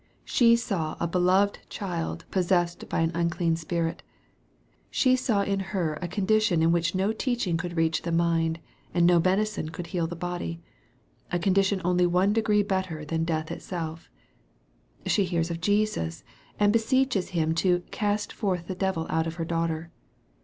She saw a beloved child possessed by an unclean spirit. She saw her in a condition in which no teaching could reach the mind, and no medicine could heal the body a condition only one degree better than death itself. She hears of Jesus, and beseeches Him to " cast forth the devil out of her daughter."